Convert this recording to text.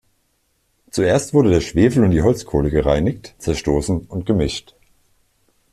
Zuerst wurde der Schwefel und die Holzkohle gereinigt, zerstoßen und gemischt.